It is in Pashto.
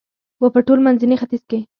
و په ټول منځني ختیځ کې